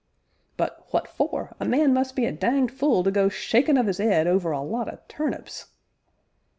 "But what for? a man must be a danged fule to go shakin' of 'is 'ead over a lot o' turnips!"